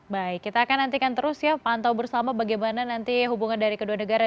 baik kita akan nantikan terus ya pantau bersama bagaimana nanti hubungan dari kedua negara